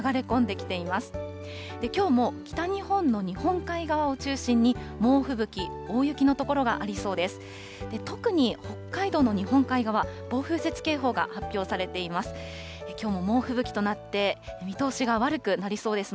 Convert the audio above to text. きょうも北日本の日本海側を中心に、猛吹雪、大雪の所がありそうです。